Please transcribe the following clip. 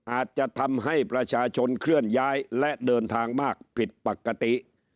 อาจจะทำให้ประชาชนเคลื่อนย้ายและเดินทางมากผิดปกติ